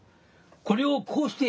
これをこうして！